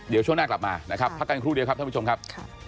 เดี๋ยวช่วงหน้ากลับมานะครับ